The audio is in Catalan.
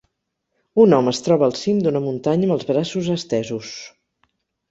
Un home es troba al cim d'una muntanya amb els braços estesos.